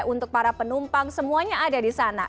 untuk para penumpang semuanya ada di sana